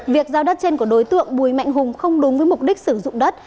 việc giao đất trên của đối tượng bùi mạnh hùng không đúng với mục đích sử dụng đất